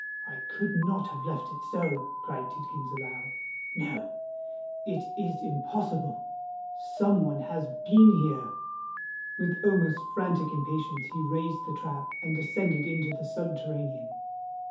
"I could not have left it so!" cried Tidkins, aloud: "no—it is impossible! Some one has been here!" With almost frantic impatience he raised the trap, and descended into the subterranean.